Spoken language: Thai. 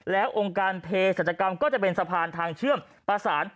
แล้วองค์การเพศรัชกรรมก็จะเป็นสะพานทางเชื่อมประสาน